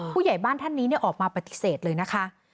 ผู้ใหญ่บ้านท่านนี้ออกมาปฏิเสธเลยนะคะ